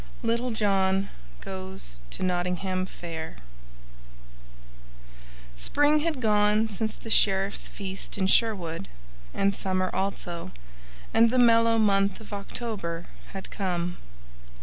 Little John Goes to Nottingham Fair SPRING HAD GONE since the Sheriff's feast in Sherwood, and summer also, and the mellow month of October had come.